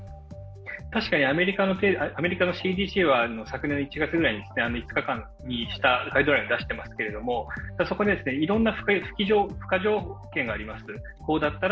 確かにアメリカのＣＤＣは昨年に５日間にしたガイドラインを出していますがそこでいろいろな付加条件があります。